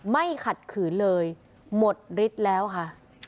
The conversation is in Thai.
ขัดขืนเลยหมดฤทธิ์แล้วค่ะ